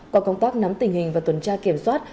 qua công tác nắm tình hình và tuần tra kiểm soát